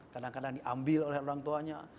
kadang kadang diambil oleh orang tuanya